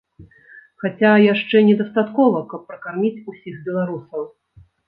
Хаця яшчэ недастаткова, каб пракарміць усіх беларусаў.